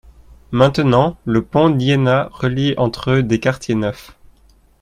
Maintenant le pont d'Iéna relie entre eux des quartiers neufs.